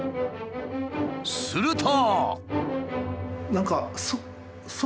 すると。